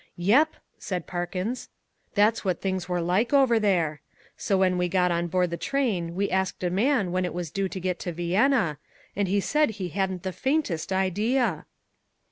"Yep!" said Parkins, "that's what things were like over there. So when we got on board the train we asked a man when it was due to get to Vienna, and he said he hadn't the faintest idea!"